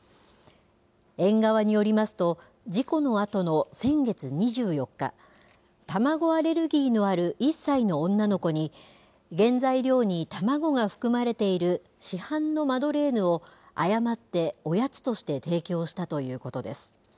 園側によりますと、事故のあとの先月２４日、卵アレルギーのある１歳の女の子に、原材料に卵が含まれている市販のマドレーヌを誤っておやつとして提供したということです。